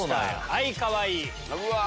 はいかわいい！